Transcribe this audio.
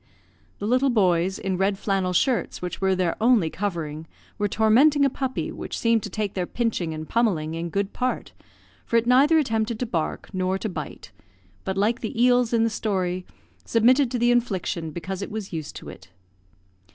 The little boys, in red flannel shirts which were their only covering, were tormenting a puppy, which seemed to take their pinching and pummelling in good part, for it neither attempted to bark nor to bite, but, like the eels in the story, submitted to the infliction because it was used to it.